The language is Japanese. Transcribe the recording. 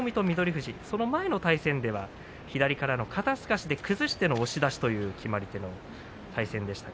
富士はその前の対戦では左からの肩すかしで崩しての押し出しという決まり手の対戦でした。